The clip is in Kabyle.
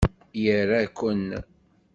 Ira-ken!